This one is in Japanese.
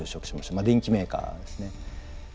まあ電機メーカーですね。